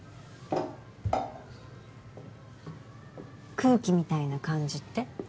空気みたいな感じって？